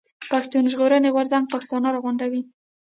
پښتون ژغورني غورځنګ پښتانه راغونډوي.